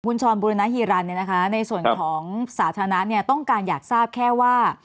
คุณชรบุรณฮีรันในส่วนของสาธารณะต้องการอยากทราบแค่ว่า